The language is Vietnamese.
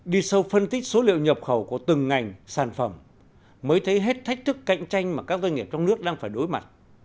đi sâu phân tích số liệu nhập khẩu của từng ngành sản phẩm mới thấy hết thách thức cạnh tranh mà các doanh nghiệp trong nước đang phải đối mặt